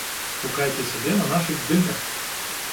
Шукайце сябе на нашых здымках!